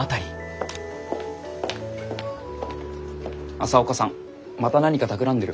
朝岡さんまた何かたくらんでる？